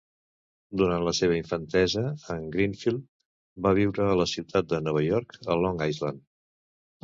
Durant la seva infantesa, en Greenfield va viure a la ciutat de Nova York, a Long Island.